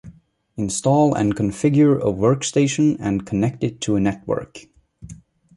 Install and configure a workstation and connect it to a network.